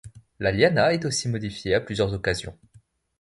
La Liana est aussi modifiée à plusieurs occasions.